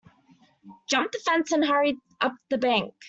Jump the fence and hurry up the bank.